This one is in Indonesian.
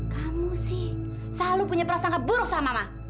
kamu sih selalu punya perasaan nggak buruk sama mama